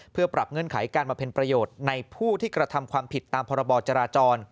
เพื่อปรับเงื่อนไขการมาเป็นประโยชน์ในผู้ที่กระทำความผิดตามพรบจราจร